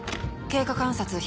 経過観察